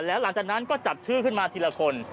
แล้วหลังจากนั้นก็จับชื่อขึ้นมาทีละคน